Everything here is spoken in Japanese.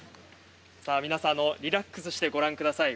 皆さん、リラックスしてご覧ください。